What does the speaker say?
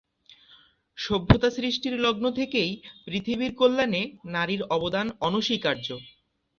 সভ্যতা সৃষ্টির লগ্ন থেকেই পৃথিবীর কল্যাণে নারীর অবদান অনঃস্বীকার্য।